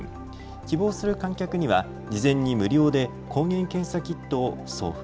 希望する観客には事前に無料で抗原検査キットを送付。